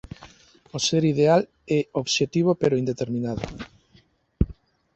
O "ser ideal" é obxectivo pero indeterminado.